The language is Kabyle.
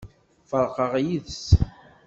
Ferqeɣ yid-s.